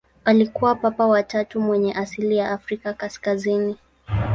Alikuwa Papa wa tatu mwenye asili ya Afrika kaskazini.